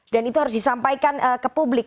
dan itu harus disampaikan ke publik